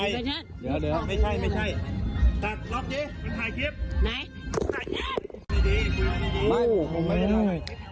เดี๋ยวไม่ใช่ไม่ใช่ตัดล็อกดิถ่ายคลิปไหนถ่ายคลิปดีดีคุยกันดีดี